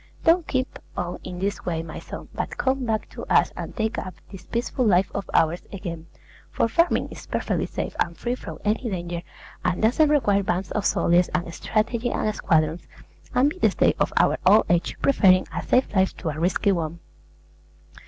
Don't keep on in this way, my son; but come back to us and take up this peaceful life of ours again (for farming is perfectly safe and free from any danger, and doesn't require bands of soldiers and strategy and squadrons), and be the stay of our old age, preferring a safe life to a risky one.